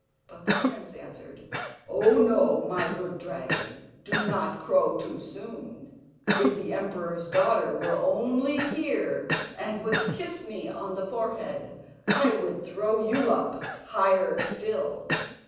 But the prince answered: "Oh, ho! my good dragon, do not crow too soon! If the emperor's daughter were only here, and would kiss me on the forehead, I would throw you up higher still!"